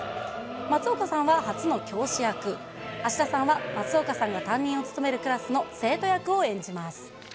松岡さんは初の教師役、芦田さんは松岡さんが担任を務めるクラスの生徒役を演じます。